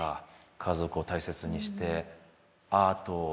家族を大切にしてアートを楽しんで。